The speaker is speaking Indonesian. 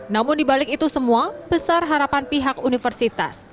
namun dibalik itu semua besar harapan pihak universitas